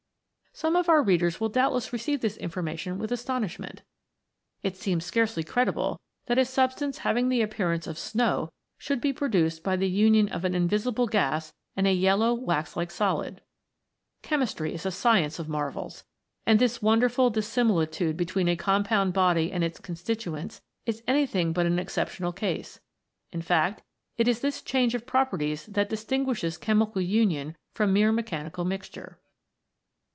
Some of our readers will doubtless receive this information with astonishment. It seems scarcely credible that a substance having the appearance of snow should be produced by the union of an invi sible gas and a yellow wax like solid. Chemistry is a science of marvels, and this wonderful dissimi D 34 THE FOUR ELEMENTS. litude between a compound body and its consti tuents is anything but an exceptional case ; in fact it is this change of properties that distin guishes chemical union from mere mechanical mixture.